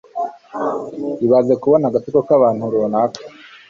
Ibaze kubona agatsiko k'abantu runaka